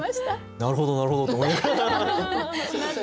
なるほどなるほどと思いながら。